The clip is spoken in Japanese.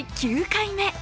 ９回目。